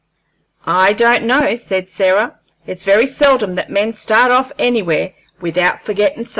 "I don't know," said Sarah. "It's very seldom that men start off anywhere without forgettin' somethin'."